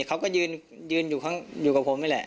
เขาก็ยืนอยู่ตรงต่อผมไว้แหละ